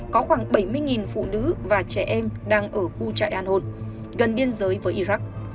có khoảng bảy mươi phụ nữ và trẻ em đang ở khu trại an hôn gần biên giới với iraq